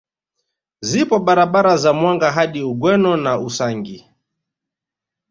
Zipo barabara za Mwanga hadi Ugweno na Usangi